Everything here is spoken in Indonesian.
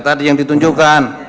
tadi yang ditunjukkan